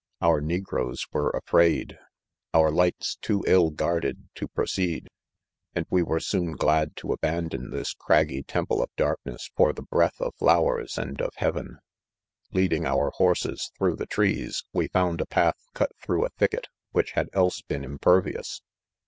Our negroes were afraid 5 our PROLOGUE, 3 lights^ too ill guarded to proceed, and we were soon glad to abandon this craggy temple of darkness for the breath of flowers and of hea * v'en. .. Leading our horses through the trees, we found a path cut through a thicket, which had else been impervious.